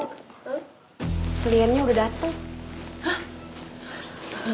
kliennya udah dateng